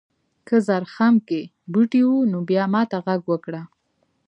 که زرخم کې بوټي و نو بیا ماته غږ وکړه.